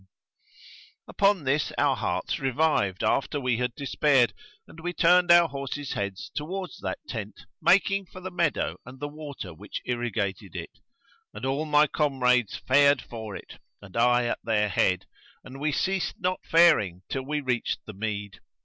[FN#118] Upon this our hearts revived after we had despaired, and we turned our horses' heads towards that tent making for the meadow and the water which irrigated it; and all my comrades fared for it and I at their head, and we ceased not faring till we reached the mead.